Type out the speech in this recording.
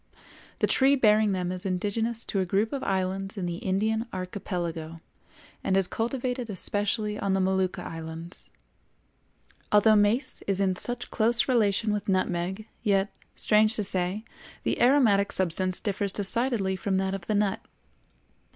The tree bearing them is indigenous to a group of islands in the Indian Archipelago and is cultivated especially on the Molucca islands. Although mace is in such close relation with nutmeg, yet, strange to say, the aromatic substance differs decidedly from that of the nut.